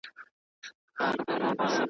څوك به بېرته لوپټه د خور پر سر كي.